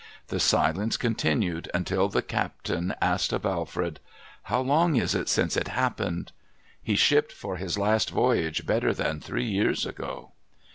The silence continued until the captain asked of Alfred,— ' How long is it since it happened }'' He shij)pcd for his last voyage better than three years ago.'